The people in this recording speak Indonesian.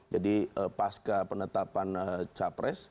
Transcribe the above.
jadi pas ke penetapan capres